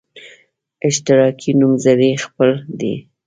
اشتراکي نومځري خپل دی.